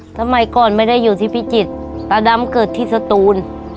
สมัยก่อนไม่ได้อยู่ที่พิจิตรตาดำเกิดที่สตูน